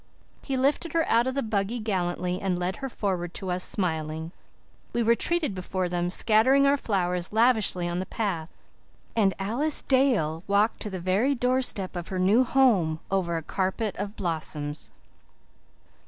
He lifted her out of the buggy gallantly and led her forward to us, smiling. We retreated before them, scattering our flowers lavishly on the path, and Alice Dale walked to the very doorstep of her new home over a carpet of blossoms.